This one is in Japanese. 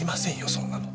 そんなの。